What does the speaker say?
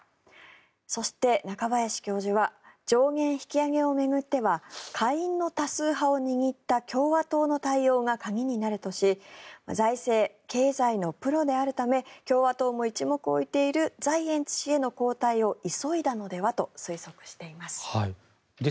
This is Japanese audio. そして中林教授は上限引き上げを巡っては下院の多数派を握った共和党の対応が鍵になるとし財政・経済のプロであるため共和党も一目置いているザイエンツ氏への交代を急いだのではと推測しています。